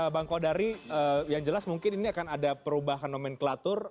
bang kodari yang jelas mungkin ini akan ada perubahan nomenklatur